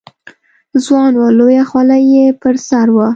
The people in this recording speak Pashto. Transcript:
ځوان و، لویه خولۍ یې پر سر وه.